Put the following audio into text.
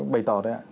bày tỏ đấy ạ